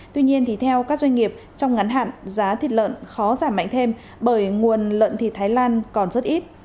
tuy nhiên theo các doanh nghiệp trong ngắn hạn giá thịt lợn khó giảm mạnh thêm bởi nguồn lợn thịt thái lan còn rất ít